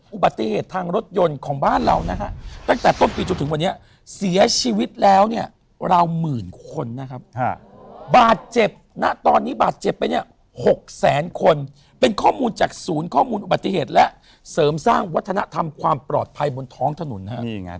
อุบัติเหตุทางรถยนต์ของบ้านเรานะฮะตั้งแต่ต้นปีจนถึงวันนี้เสียชีวิตแล้วเนี่ยราวหมื่นคนนะครับบาดเจ็บณตอนนี้บาดเจ็บไปเนี่ย๖แสนคนเป็นข้อมูลจากศูนย์ข้อมูลอุบัติเหตุและเสริมสร้างวัฒนธรรมความปลอดภัยบนท้องถนนนะฮะ